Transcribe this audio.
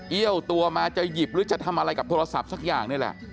เอี้ยวตัวมาจะหยิบหรือจะทำอะไรกับโทรศัพท์สักอย่างนี่แหละ